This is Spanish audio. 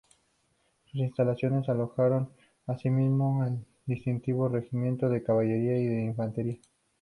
Sus instalaciones alojaron asimismo a distintos regimientos de caballería y de infantería.